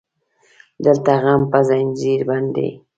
دلته غم په زنځير بند دی